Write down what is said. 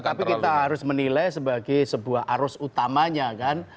tapi kita harus menilai sebagai sebuah arus utamanya kan